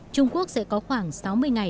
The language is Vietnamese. trung quốc sẽ có khoảng sáu mươi ngày